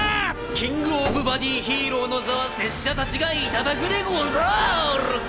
キング・オブ・バディヒーローの座は拙者たちが頂くでござる！！